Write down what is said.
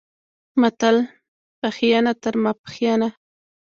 متل، پښینه تر ماپښینه